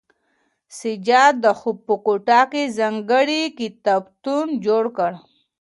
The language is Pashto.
سجاد د خوب په کوټه کې ځانګړی کتابتون جوړ کړ.